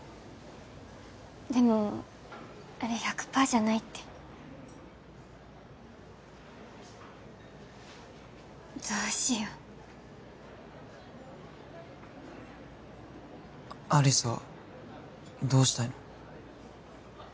でもあれ１００パーじゃないってどうしよう有栖はどうしたいの？